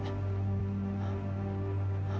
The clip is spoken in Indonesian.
aku bangga dia